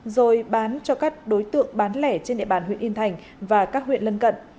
rồi bán cho các đối tượng bán lẻ trên địa bàn huyện yên thành và các huyện lân cận